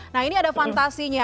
nah ini ada fantasinya